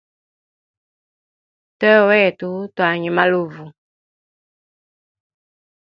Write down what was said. Twene wetu twanywe maluvu.